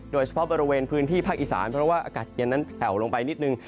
โดยเฉพาะบริเวณพื้นที่ภาคอีสานเพราะว่าอากาศเย็นนั้นแผ่วลงไปนิดนึง